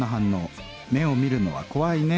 「目を見るのは怖いね。